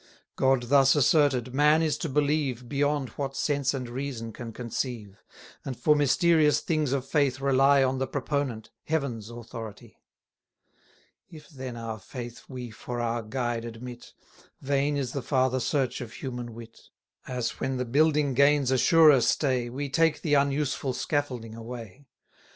God thus asserted, man is to believe Beyond what sense and reason can conceive, And for mysterious things of faith rely 120 On the proponent, Heaven's authority. If, then, our faith we for our guide admit, Vain is the farther search of human wit; As when the building gains a surer stay, We take the unuseful scaffolding away.